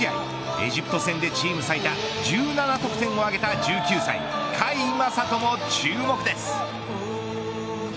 エジプト戦でチーム最多１７得点を挙げた１９歳甲斐優斗も注目です。